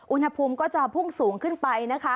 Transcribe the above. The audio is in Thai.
อุณหภูมิก็จะพุ่งสูงขึ้นไปนะคะ